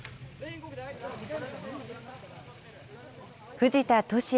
藤田聖也